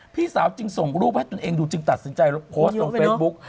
พี่สาวจึงส่งรูปมาให้ตัดสินใจและพูดไปตรงเฟซบุ๊ก